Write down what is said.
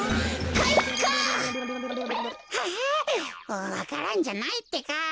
あわか蘭じゃないってか。